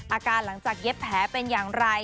อาการหลังจากเย็บแผลเป็นอย่างไร